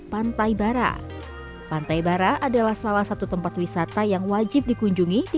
pantai bara pantai bara adalah salah satu tempat wisata yang wajib dikunjungi di